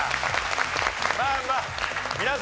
まあまあ皆さん